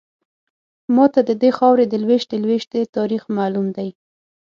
ماته ددې خاورې د لویشتې لویشتې تاریخ معلوم دی.